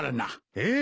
ええ。